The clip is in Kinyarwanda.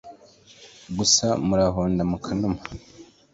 gusa murahonda mukanuma